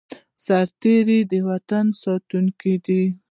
سرتیری د وطن ساتونکی دی